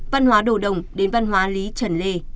văn hóa đồ đồng đến văn hóa lý trần lê